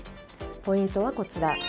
ポイントはこちら。